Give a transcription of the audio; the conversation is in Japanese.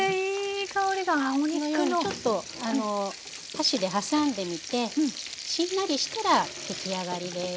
このようにちょっと箸で挟んでみてしんなりしたら出来上がりです。